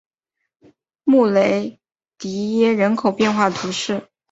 穆雷迪耶人口变化图示